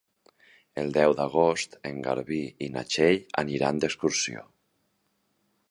El deu d'agost en Garbí i na Txell aniran d'excursió.